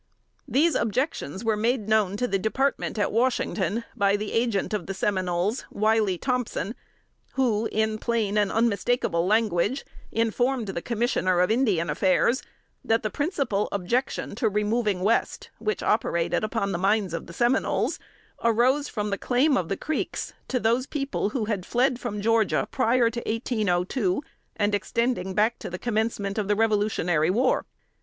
These objections were made known to the Department at Washington by the Agent of the Seminoles, Wiley Thompson, who, in plain and unmistakable language, informed the Commissioner of Indian Affairs, that the principal objection to removing West which operated upon the minds of the Seminoles arose from the claim of the Creeks to those people who had fled from Georgia prior to 1802, and extending back to the commencement of the Revolutionary War.